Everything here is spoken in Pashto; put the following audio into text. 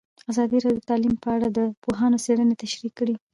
ازادي راډیو د تعلیم په اړه د پوهانو څېړنې تشریح کړې.